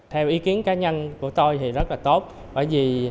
theo ý kiến cá nhân của tôi